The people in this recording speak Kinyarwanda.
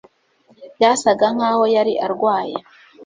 byasaga nkaho yari arwaye